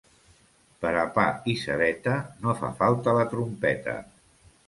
Per a pa i cebeta no fa falta la trompeta.